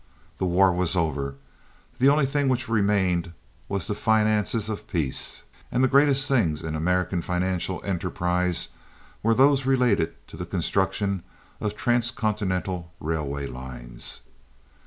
The war was over; the only thing which remained was the finances of peace, and the greatest things in American financial enterprise were those related to the construction of transcontinental railway lines.